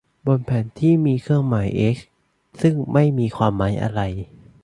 บนแผนที่มีเครื่องหมาย เอ๊กซ์ ซึ่งไม่มีความหมายอะไร